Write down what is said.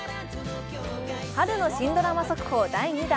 春の新ドラマ速報第２弾。